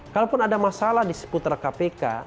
kalaupun ada masalah di seputar kpk